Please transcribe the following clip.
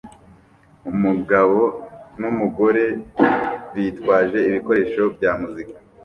Umugabo numugore bitwaje ibikoresho bya muzika